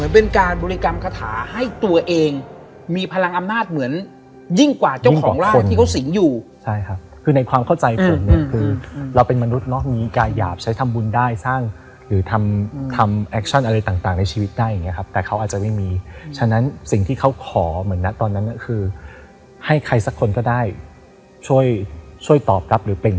เป็นการบริกรรมคาถาให้ตัวเองมีพลังอำนาจเหมือนยิ่งกว่าเจ้าของร่างที่เขาสิงห์อยู่ใช่ครับคือในความเข้าใจผมเนี่ยคือเราเป็นมนุษย์เนอะมีกายหยาบใช้ทำบุญได้สร้างหรือทำทำแอคชั่นอะไรต่างในชีวิตได้อย่างเงี้ครับแต่เขาอาจจะไม่มีฉะนั้นสิ่งที่เขาขอเหมือนนะตอนนั้นก็คือให้ใครสักคนก็ได้ช่วยช่วยตอบรับหรือเป็น